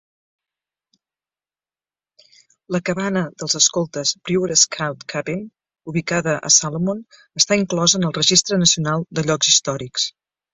La cabana dels escoltes Brewer Scout Cabin, ubicada a Solomon, està inclosa en el Registre Nacional de Llocs Històrics.